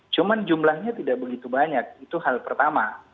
cuma jumlahnya tidak begitu banyak itu hal pertama